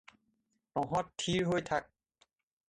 তহঁত থিৰ হৈ থাক